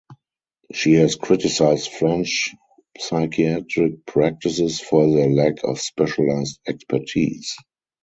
She has criticized French psychiatric practices for their lack of specialized expertise.